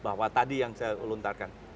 bahwa tadi yang saya luntarkan